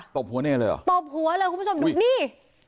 บหัวเนรเลยเหรอตบหัวเลยคุณผู้ชมดูนี่